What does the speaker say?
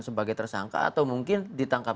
sebagai tersangka atau mungkin ditangkap